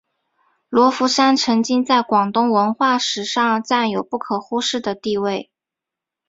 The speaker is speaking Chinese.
罗浮山曾经在广东文化史上占有不可忽视的地位。